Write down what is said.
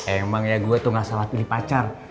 emang ya gue tuh gak salah pilih pacar